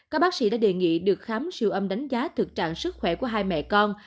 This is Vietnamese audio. các bác sĩ đã đề nghị được khám siêu âm đánh giá thực trạng sức khỏe của hai mẹ con